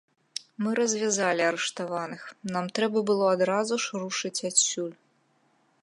Мы развязалі арыштаваных, нам трэба было адразу ж рушыць адсюль.